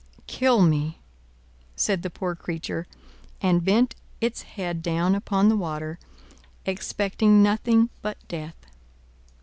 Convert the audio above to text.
"Kill me!" said the poor creature, and bent its head down upon the water, expecting nothing but death.